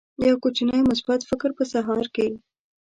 یو کوچنی مثبت فکر په سهار کې